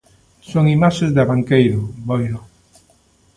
Son imaxes de Abanqueiro, Boiro.